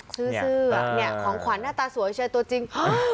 ซื้อเนี่ยของขวัญหน้าตาสวยเชียร์ตัวจริง